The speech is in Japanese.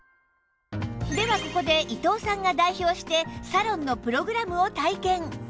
ではここで伊東さんが代表してサロンのプログラムを体験